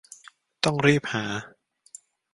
ต้องรีบหา